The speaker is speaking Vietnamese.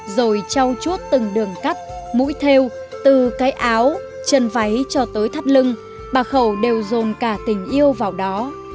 rồi trao chuốt từng đường cắt mũi theo từ cái áo chân váy cho tới thắt lưng bà khẩu đều dồn cả tình yêu vào đó